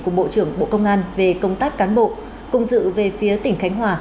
của bộ trưởng bộ công an về công tác cán bộ công dự về phía tỉnh khánh hòa